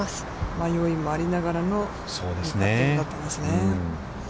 迷いはありながらのパッティングだったんですね。